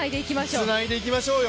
つないでいきましょうよ。